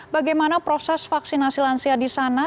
bagaimana proses vaksinasi lansia di sana